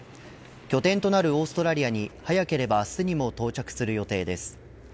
拠点となるオーストラリアに早ければ明日にも到着する予定です。